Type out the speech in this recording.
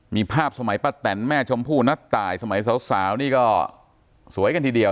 มีภาพสมัยป้าแตนแม่ชมพู่นัดตายสมัยสาวนี่ก็สวยกันทีเดียว